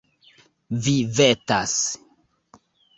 Vi vetas.